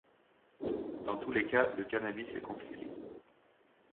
Dans tous les cas le cannabis est confisqué.